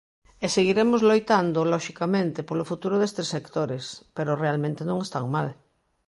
E seguiremos loitando, loxicamente, polo futuro destes sectores, pero realmente non están mal.